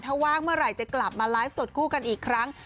ถ้าว่างเมื่อไหร่จะกลับมาไลฟ์สดคู่กันอีกครั้ง